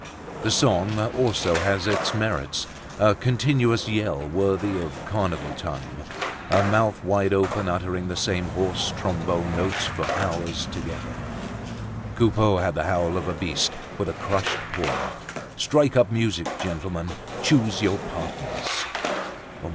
The song also has its merits, a continuous yell worthy of carnival time, a mouth wide open uttering the same hoarse trombone notes for hours together. Coupeau had the howl of a beast with a crushed paw. Strike up, music! Gentlemen, choose your partners!